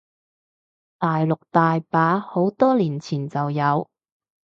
大陸大把，好多年前就有